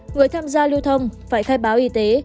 người tham gia lưu thông phải khai báo y tế